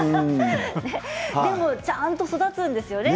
ちゃんと育つんですよね